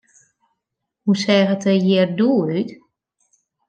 Hoe seach it der hjir doe út?